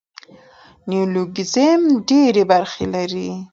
نیولوګیزم ډېري برخي لري.